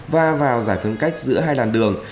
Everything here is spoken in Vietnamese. và vào giải phương cách giữa hai làn đường